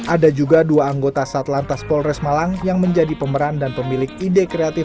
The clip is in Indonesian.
ada juga dua anggota satlantas polres malang yang menjadi pemeran dan pemilik ide kreatif